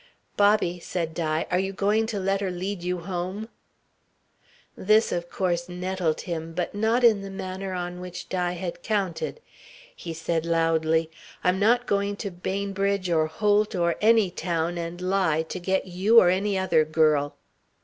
"Bobby," said Di, "are you going to let her lead you home?" This of course nettled him, but not in the manner on which Di had counted. He said loudly: "I'm not going to Bainbridge or Holt or any town and lie, to get you or any other girl."